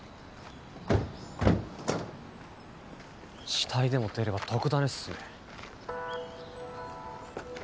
死体でも出れば特ダネっすね。